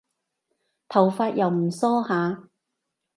頭髮又唔梳下